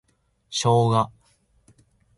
ショウガ